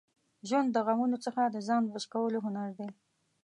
ژوند د غمونو څخه د ځان بچ کولو هنر دی.